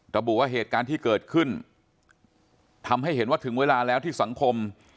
ระบุว่าเหตุการณ์ที่เกิดขึ้นทำให้เห็นว่าถึงเวลาแล้วที่สังคม